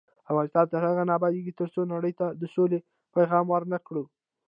افغانستان تر هغو نه ابادیږي، ترڅو نړۍ ته د سولې پیغام ورنکړو.